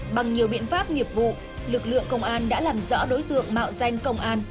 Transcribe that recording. bằng nhiều biện pháp nghiệp vụ lực lượng công an đã làm rõ đối tượng mạo danh công an